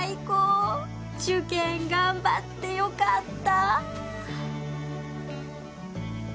受験頑張ってよかった！